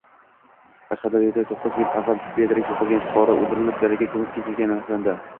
Qashqadaryodato´qqizyil avval bedarak yo‘qolgan fuqaro o‘ldirilib, dalaga ko‘mib ketilgani aniqlandi